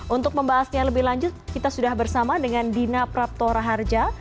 untuk membahasnya lebih lanjut kita sudah bersama dengan dina prapto raharja